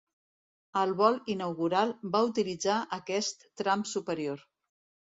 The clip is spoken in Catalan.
El vol inaugural va utilitzar aquest tram superior.